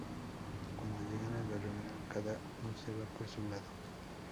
Cuando llegan a la reunión, cada una se va por su lado.